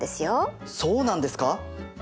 そうなんですか！